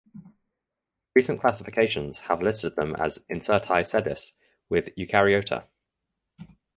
Recent classifications have listed them as "incertae sedis" with Eukaryota.